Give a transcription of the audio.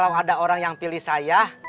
nanti kalo ada orang yang pilih saya